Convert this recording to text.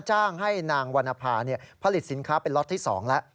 จ้างให้นางวรรณภาผลิตสินค้าเป็นล็อตที่๒แล้ว